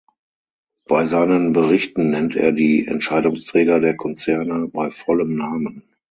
Bei seinen Berichten nennt er die Entscheidungsträger der Konzerne bei vollem Namen.